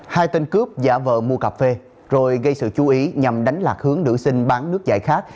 hai tên cướp giả vợ mua cà phê rồi gây sự chú ý nhằm đánh lạc hướng nữ sinh bán nước giải khát